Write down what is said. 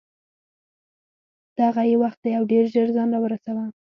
دغه یې وخت دی او ډېر ژر ځان را ورسوه.